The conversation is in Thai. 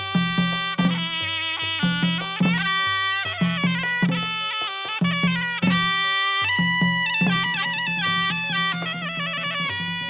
เมื่อที่ปรกติแล้วพลายไม่ได้